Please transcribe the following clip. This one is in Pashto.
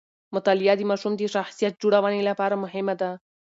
مطالعه د ماشوم د شخصیت جوړونې لپاره مهمه ده.